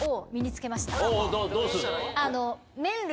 どうするの？